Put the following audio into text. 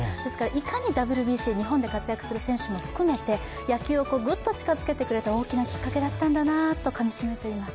いかにＷＢＣ、日本で活躍する選手も含めて野球をぐっと近づけてくれた大きなきっかけだったんだなとかみ締めています。